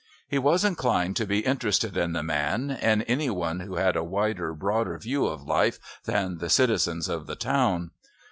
He was inclined to be interested in the man, in any one who had a wider, broader view of life than the citizens of the town.